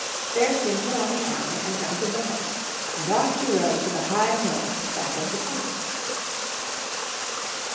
Bearskin put on the armor and mounted the horse, and off he rode to the high hill back of the town.